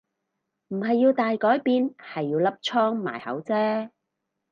唔係要大改變係要粒瘡埋口啫